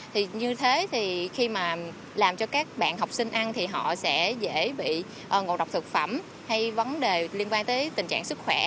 thì như thế thì khi mà làm cho các bạn học sinh ăn thì họ sẽ dễ bị ngộ độc thực phẩm hay vấn đề liên quan tới tình trạng sức khỏe